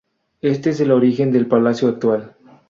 Este es el origen del palacio actual.